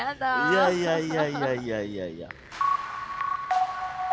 いやいやいやいやいやいや！